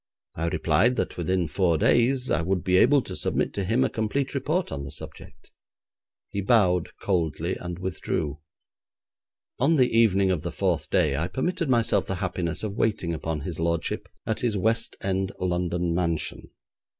I replied that within four days I would be able to submit to him a complete report on the subject. He bowed coldly and withdrew. On the evening of the fourth day I permitted myself the happiness of waiting upon his lordship at his West End London mansion.